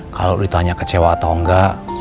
kalau ditanya kecewa atau enggak